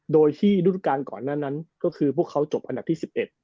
โดยที่ฤดูการก่อนหน้านั้นก็คือพวกเขาจบอันดับที่๑๑